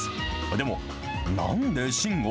でも、なんで芯を？